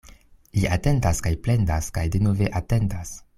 Li atendas kaj plendas kaj denove atendas.